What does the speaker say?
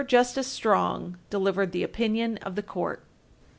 JUSTICE STRONG delivered the opinion of the court.